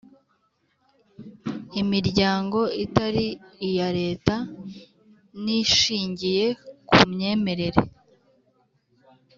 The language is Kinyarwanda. imiryango itari iya Leta n ishingiye ku myemerere